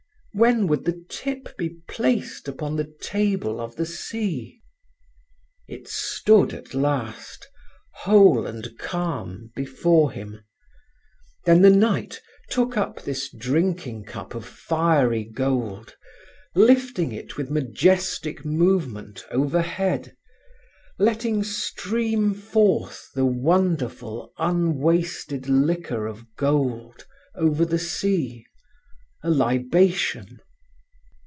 When would the tip be placed upon the table of the sea? It stood at last, whole and calm, before him; then the night took up this drinking cup of fiery gold, lifting it with majestic movement overhead, letting stream forth the wonderful unwasted liquor of gold over the sea—a libation.